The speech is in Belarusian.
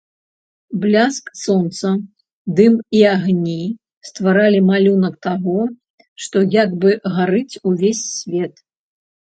Бляск сонца, дым і агні стваралі малюнак таго, што як бы гарыць увесь свет.